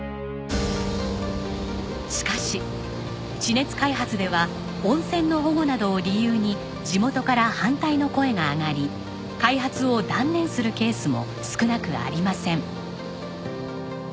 しかし地熱開発では温泉の保護などを理由に地元から反対の声が上がり開発を断念するケースも少なくありません。